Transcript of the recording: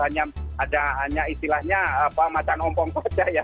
hanya istilahnya macan ompong koca ya